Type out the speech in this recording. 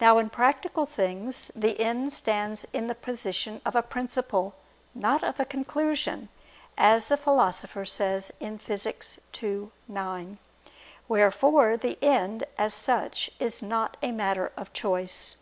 Now in practical things the end stands in the position of a principle, not of a conclusion, as the Philosopher says (Phys. ii, 9). Wherefore the end, as such, is not a matter of choice.